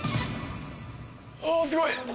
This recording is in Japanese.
あすごい。